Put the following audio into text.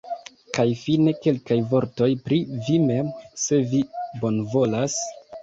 Kaj fine, kelkaj vortoj pri vi mem, se vi bonvolas?